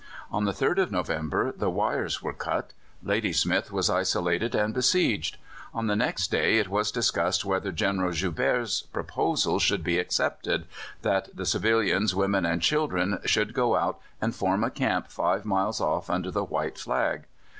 On the 3rd of November the wires were cut; Ladysmith was isolated and besieged. On the next day it was discussed whether General Joubert's proposal should be accepted that the civilians, women, and children should go out and form a camp five miles off under the white flag.